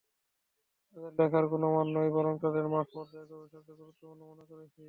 তাঁদের লেখার গুণমান নয়, বরং তাঁদের মাঠপর্যায়ের গবেষণাকে গুরুত্বপূর্ণ মনে করেছি।